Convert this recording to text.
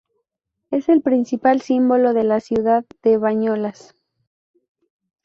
Es el principal símbolo de la ciudad de Bañolas.